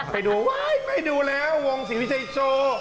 ไปดูไม่ดูแล้ววงศิษย์วิชัยโจ้